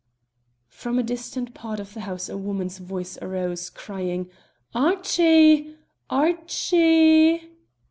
From a distant part of the house a woman's voice arose, crying, "Archie, Archi e e!"